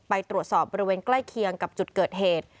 ไปตรวจสอบบริเวณใกล้เคียงกับจุดเกิดเหตุ